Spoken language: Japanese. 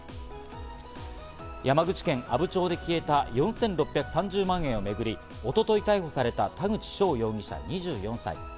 山口県阿武町で消えた４６３０万円をめぐり、一昨日、逮捕された田口翔容疑者２４歳。